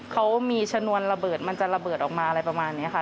เขามีชนวนระเบิดมันจะระเบิดออกมาอะไรประมาณนี้ค่ะ